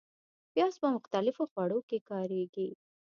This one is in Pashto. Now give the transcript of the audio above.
پیاز په مختلفو خوړو کې کارېږي